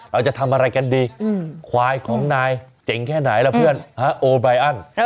เราจะทำอะไรกันดีควายของนายเจ๋งแค่ไหนล่ะเพื่อนฮะโอไบรอัน